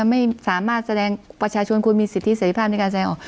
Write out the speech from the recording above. ไม่สามารถแสดงประชาชนคุณมีสิทธิเสร็จภาพในการแสดงออก